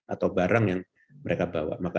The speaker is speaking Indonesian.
atau barang yang mereka bawa maka